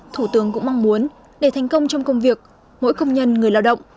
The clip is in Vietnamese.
thủ tướng cũng mong muốn để thành công trong công việc mỗi công nhân người lao động